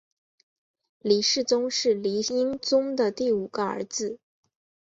黎世宗是黎英宗的第五个儿子。